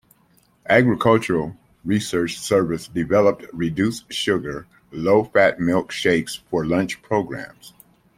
Agricultural Research Service developed reduced-sugar, low-fat milk shakes for lunch programs.